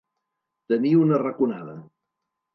Tenir una raconada.